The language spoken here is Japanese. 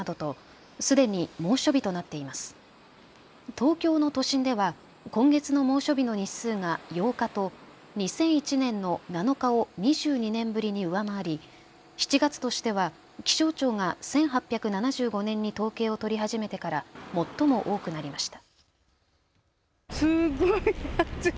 東京の都心では今月の猛暑日の日数が８日と２００１年の７日を２２年ぶりに上回り７月としては気象庁が１８７５年に統計を取り始めてから最も多くなりました。